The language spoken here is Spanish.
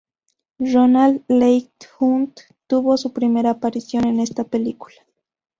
Ronald Leigh-Hunt tuvo su primera aparición en esta película.